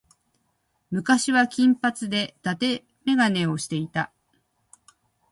昔は金髪で伊達眼鏡をしていた。